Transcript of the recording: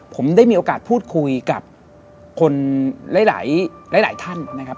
ผมได้มีโอกาสพูดคุยกับคนหลายท่านนะครับ